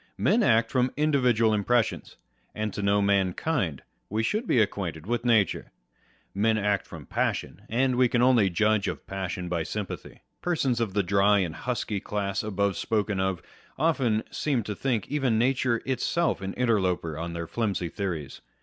Men act from individual impressions; and to know mankind, we should be ac quainted with nature. Men act from passion ; and we can only judge of passion by sympathy. Persons of the dry and husky class above spoken of, often seem to think even nature itself an interloper on their flimsy theories.